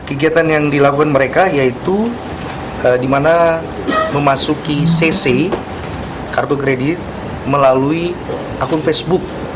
kegiatan yang dilakukan mereka yaitu di mana memasuki cc kartu kredit melalui akun facebook